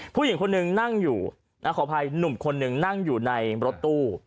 ผู้หญิงคนหนึ่งนั่งอยู่ขออภัยหนุ่มคนหนึ่งนั่งอยู่ในรถตู้